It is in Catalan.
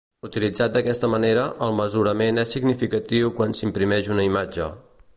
Utilitzat d'aquesta manera, el mesurament és significatiu quan s'imprimeix una imatge.